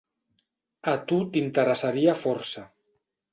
A tu t'interessaria força.